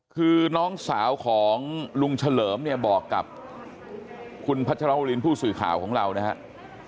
คือน้องสาวของลุงเฉลิมเนี่ยบอกกับคุณพัชรวรินผู้สื่อข่าวของเรานะครับ